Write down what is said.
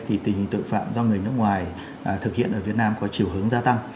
thì tình hình tội phạm do người nước ngoài thực hiện ở việt nam có chiều hướng gia tăng